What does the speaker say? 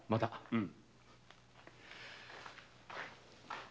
うん。